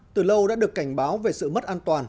từ lâu đã được cảnh báo về sự mất an toàn